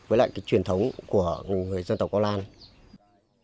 với lại cái truyền thống của người dân tộc câu lạc bộ